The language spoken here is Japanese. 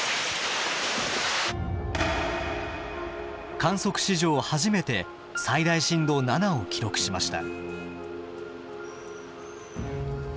観測史上初めて最大震度７を記録しました。